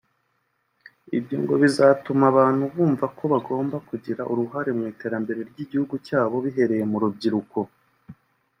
Ibyo ngo bizatuma abantu bumva ko bagomba kugira uruhare mu iterambere ry’igihugu cyabo bihereye mu rubyiruko